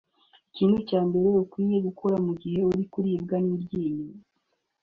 Ikintu cya mbere ukwiye gukora mu gihe uri kuribwa n’iryinyo